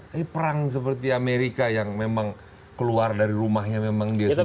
tapi perang seperti amerika yang memang keluar dari rumahnya memang dia sendiri